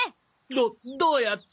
どどうやって？